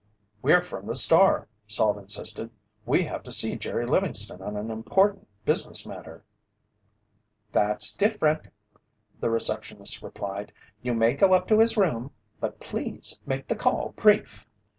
"We're from the Star," Salt insisted. "We have to see Jerry Livingston on an important business matter." "That's different," the receptionist replied. "You may go up to his room, but please make the call brief."